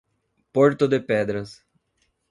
Porto de Pedras